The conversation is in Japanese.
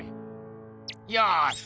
よし！